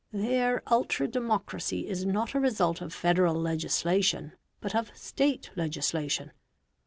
Their ultra democracy is not a result of Federal legislation, but of State legislation.